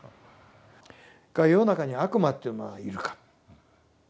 それから世の中に悪魔というのはいるか。